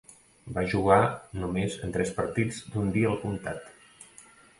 Va jugar només en tres partits d'un dia al comtat.